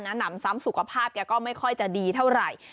หนำซ้ำสุขภาพแกก็ไม่ค่อยจะดีเท่าไหร่